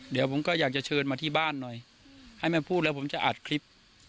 เดี๋ยวผมก็อยากจะเชิญมาที่บ้านหน่อยให้มาพูดแล้วผมจะอัดคลิป